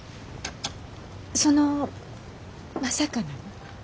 そのまさかなの。